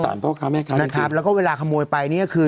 พ่อค้าแม่ค้านะครับแล้วก็เวลาขโมยไปเนี่ยคือ